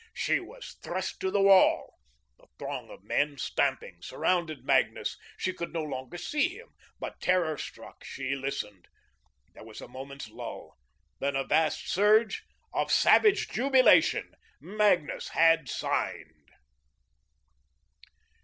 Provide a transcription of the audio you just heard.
She was thrust to the wall. The throng of men, stamping, surrounded Magnus; she could no longer see him, but, terror struck, she listened. There was a moment's lull, then a vast thunder of savage jubilation. Magnus had signed.